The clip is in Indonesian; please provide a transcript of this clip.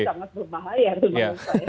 ini sangat berbahaya